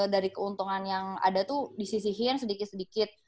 dari keuntungan yang ada tuh disisihin sedikit sedikit